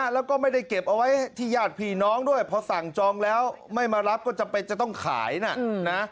แล้วก็ไม่ได้เก็บเอาไว้ที่ญาติพี่น้องด้วยพอสั่งจองแล้วไม่มารับก็จำเป็นจะต้องขายนะ